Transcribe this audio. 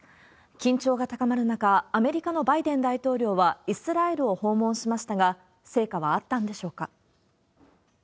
緊張が高まる中、アメリカのバイデン大統領はイスラエルを訪問しましたが、成果はあったんでしょうか。